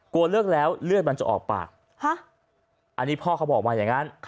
กลัวเลิกแล้วเลือดมันจะออกปากอันนี้พ่อเขาบอกมาอย่างนั้น